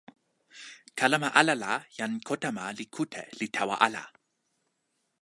kalama ala la jan Kotama li kute li tawa ala.